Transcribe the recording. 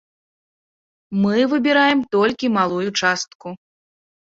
Мы выбіраем толькі малую частку.